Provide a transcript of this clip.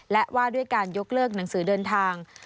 และว่าด้วยการยกเลิกหนังสือเดินทาง